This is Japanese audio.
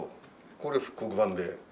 これ復刻版で。